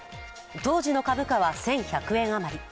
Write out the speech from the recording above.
当時の株価は１１００円余り。